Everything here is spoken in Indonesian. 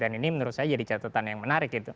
dan ini menurut saya jadi catatan yang menarik gitu